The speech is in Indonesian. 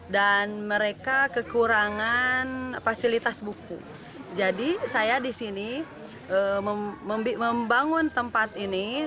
dan mereka kekurangan fasilitas buku jadi saya disini membi membangun tempat ini